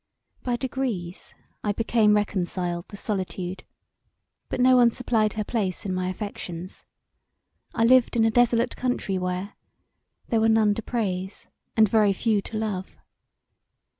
By degrees I became reconciled to solitude but no one supplied her place in my affections. I lived in a desolate country where there were none to praise And very few to love.